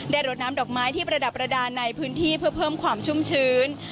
รดน้ำดอกไม้ที่ประดับประดานในพื้นที่เพื่อเพิ่มความชุ่มชื้น